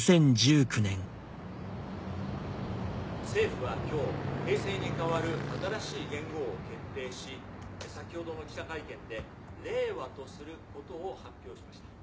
政府は今日平成に変わる新しい元号を決定し先ほどの記者会見で令和とすることを発表しました。